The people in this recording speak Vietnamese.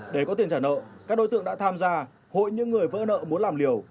để có tiền trả nợ các đối tượng đã tham gia hội những người vỡ nợ muốn làm liều